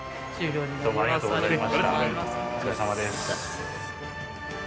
お疲れさまです。